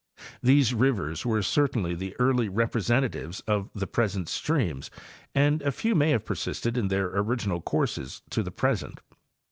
These rivers were certainly the early representatives of the present streams and a few may have persisted in their original courses to the present.